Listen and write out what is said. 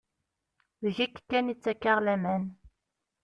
Deg-k kan i ttakeɣ laman.